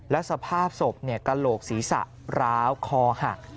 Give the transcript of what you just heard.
และสภาพศพกระโหลกศีรษะร้าวคอหัก